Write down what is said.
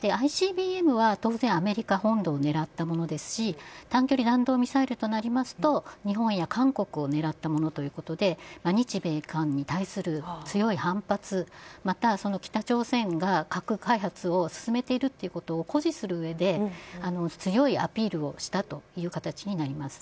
ＩＣＢＭは当然アメリカ本土を狙ったものですし短距離弾道ミサイルとなりますと日本や韓国を狙ったものということで日米韓に対する強い反発または北朝鮮が核開発を進めているということを誇示するうえで強いアピールをしたという形になります。